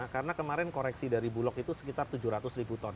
karena kemarin koreksi dari bulog itu sekitar tujuh ratus ton